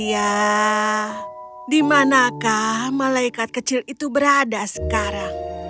ya dimanakah malaikat kecil itu berada sekarang